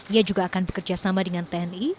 ia juga akan bekerjasama dengan tni